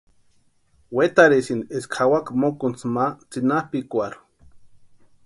Wetarhesínti eska jawaka mokuntsi ma tsʼinapʼikwarhu.